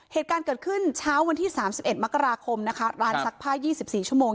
เหตุการณ์เกิดขึ้นเช้าวันที่สามสิบเอ็ดมักราคมนะคะร้านซักผ้ายี่สิบสี่ชั่วโมง